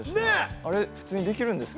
あれ、普通にできるんですか。